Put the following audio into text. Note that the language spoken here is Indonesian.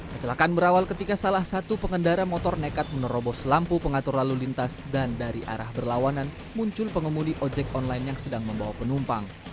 kecelakaan berawal ketika salah satu pengendara motor nekat menerobos lampu pengatur lalu lintas dan dari arah berlawanan muncul pengemudi ojek online yang sedang membawa penumpang